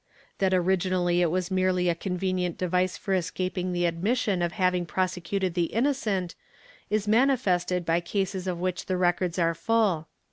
That originally it was merely a convenient device for escaping the admission of having prosecuted the innocent is mani fested by cases of which the records are full.